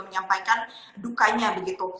menyampaikan dukanya begitu